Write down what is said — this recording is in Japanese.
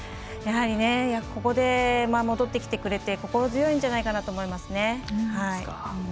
やはり、ここで戻ってきてくれて心強いんじゃないかと思いますね。